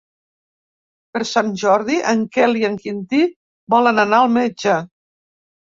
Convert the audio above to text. Per Sant Jordi en Quel i en Quintí volen anar al metge.